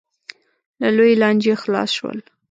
له لویې لانجې خلاص شول.